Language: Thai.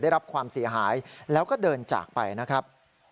ได้รับความเสียหายแล้วก็เดินจากไปนะครับ